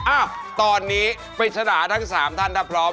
อ้าวตอนนี้ปริศนาทั้ง๓ท่านถ้าพร้อม